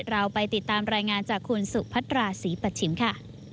เราไปติดตามรายงานจากคุณสุพัตราศรีปัชชิมค่ะ